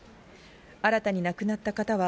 新たに亡くなった方は